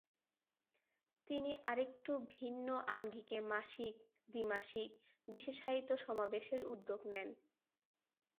তিনি আরেকটু ভিন্ন আঙ্গিকে মাসিক, দ্বি-মাসিক বিশেষায়িত সমাবেশের উদ্যোগ নেন।